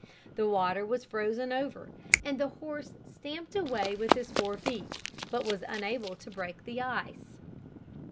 The water was frozen over, and the horse stamped away with his fore feet, but was unable to break the ice.